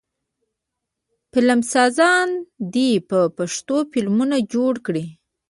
فلمسازان دې په پښتو فلمونه جوړ کړي.